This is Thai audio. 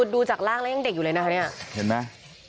ดูจากร่างแล้วยังเด็กอยู่เลยนะคะเนี่ยเห็นไหม